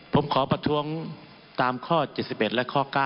ผมขอประท้วงตามข้อ๗๑และข้อ๙